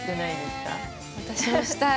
私もしたい。